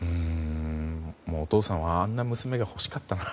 お父さんはあんな娘が欲しかったな。